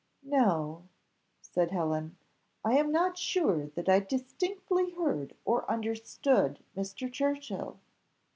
"No, " said Helen, "I am not sure that I distinctly heard or understood Mr. Churchill."